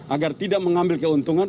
agar tidak mengambil keuntungan